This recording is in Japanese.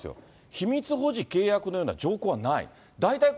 秘密保持契約のような条項はない。